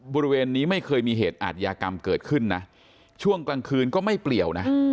บริเวณนี้ไม่เคยมีเหตุอาทยากรรมเกิดขึ้นนะช่วงกลางคืนก็ไม่เปลี่ยวนะ